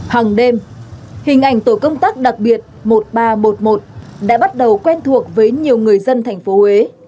hàng đêm hình ảnh tổ công tác đặc biệt một nghìn ba trăm một mươi một đã bắt đầu quen thuộc với nhiều người dân thành phố huế